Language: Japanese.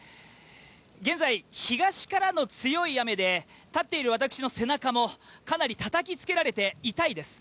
現在、東からの強い雨で立っている私の背中もかなりたたきつけられて、痛いです。